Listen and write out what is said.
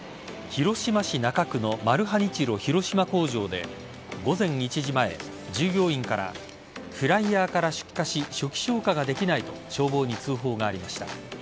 広島市中区のマルハニチロ広島工場で午前１時前、従業員からフライヤーから出火し初期消火ができないと消防に通報がありました。